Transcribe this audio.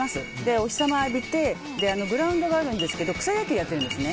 お日様浴びてグラウンドがあるんですけど草野球をやっているんですね。